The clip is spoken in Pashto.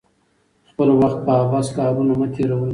خپل وخت په عبث کارونو مه تیروئ.